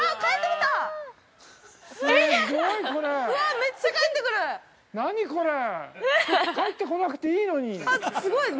返ってこなくていいのに。